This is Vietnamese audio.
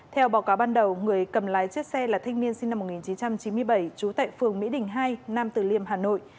theo báo cáo ban đầu người cầm lái chiếc xe là thanh niên sinh năm một nghìn chín trăm chín mươi bảy trú tại phường mỹ đình hai nam tử liêm hà nội